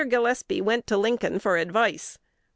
Gillespie went to Lincoln for advice.